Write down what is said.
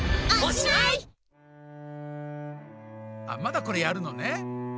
あっまだこれやるのね？